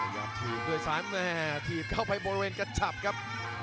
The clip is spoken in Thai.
ย่อทียมด้วยซ้ายแมมทียมเข้าไปบริเวณกระจับครับ